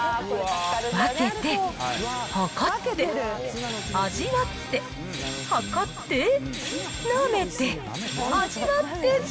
分けて、計って、味わって、測って、なめて、味わって。